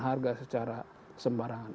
harga secara sembarangan